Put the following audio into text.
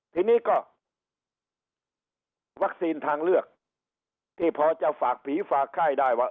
ทีนี้ก็วัคซีนทางเลือกที่พอจะฝากผีฝากไข้ได้ว่า